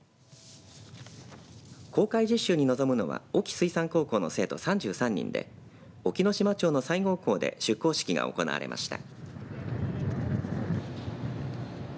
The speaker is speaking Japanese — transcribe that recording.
航海実習に臨むのは隠岐水産高校の生徒３３人で隠岐の島町の西郷港で出港式が行われました。